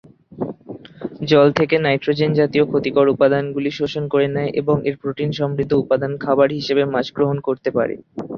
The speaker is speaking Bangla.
জল থেকে নাইট্রোজেন জাতীয় ক্ষতিকর উপাদানগুলি শোষণ করে নেয় এবং এর প্রোটিন সমৃদ্ধ উপাদান খাবার হিসেবে মাছ গ্রহণ করতে পারে।